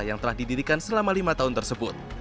yang telah didirikan selama lima tahun tersebut